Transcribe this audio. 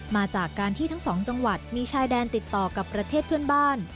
มาจากการที่ทั้งสองจังหวัดมีชายแดนติดต่อกับประเทศเพื่อนบ้าน